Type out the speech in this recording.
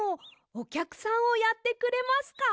おきゃくさんをやってくれますか？